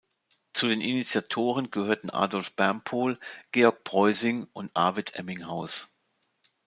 Zu den Initiatoren gehörten Adolph Bermpohl, Georg Breusing und Arwed Emminghaus.